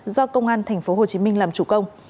do công an tp hcm làm chủ công